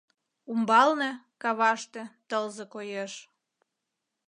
Умбалне, каваште, тылзе коеш.